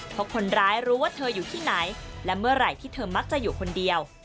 เพราะคนร้ายรู้ว่าเธออยู่ที่ไหนและเมื่อไหร่ที่เธอมักจะอยู่คนเดียว